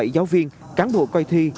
năm mươi bảy giáo viên cán bộ coi thi